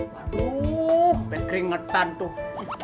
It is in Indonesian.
waduh ben keringetan tuh